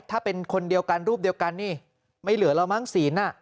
ถ้าเป็นคนเดียวกันรูปเดียวกันนี่ไม่เหลือแล้วมั้งศีล